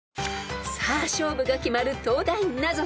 ［さあ勝負が決まる東大ナゾトレ］